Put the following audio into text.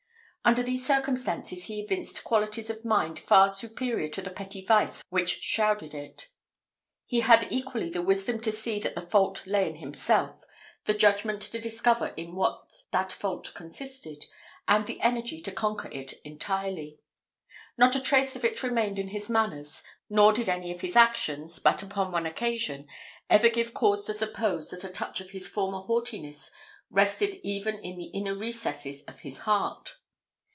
Under these circumstances he evinced qualities of mind far superior to the petty vice which shrouded it. He had equally the wisdom to see that the fault lay in himself, the judgment to discover in what that fault consisted, and the energy to conquer it entirely. Not a trace of it remained in his manners; nor did any of his actions, but upon one occasion, ever give cause to suppose that a touch of his former haughtiness rested even in the inner recesses of his heart.